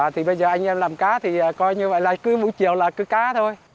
thì bây giờ anh em làm cá thì coi như vậy là cứ mỗi chiều là cứ cá thôi